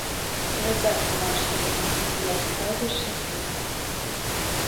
Выдатны матч сёння, і я сапраўды шчаслівая!